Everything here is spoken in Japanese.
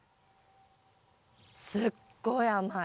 すっごい甘い。